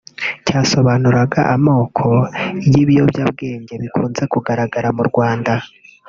cyasobanuraga amoko y’Ibiyobyabwenge bikunze kugaragara mu Rwanda